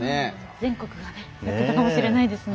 全国でやっていたかもしれないですね。